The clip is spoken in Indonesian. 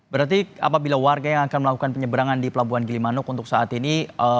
berarti apabila warga yang akan melakukan penyeberangan di pelabuhan gilimanuk untuk saat ini